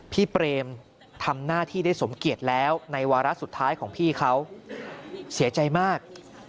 เปรมทำหน้าที่ได้สมเกียจแล้วในวาระสุดท้ายของพี่เขาเสียใจมาก